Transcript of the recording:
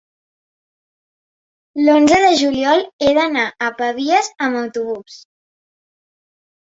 L'onze de juliol he d'anar a Pavies amb autobús.